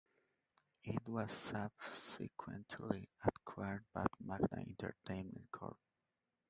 It was subsequently acquired by Magna Entertainment Cor.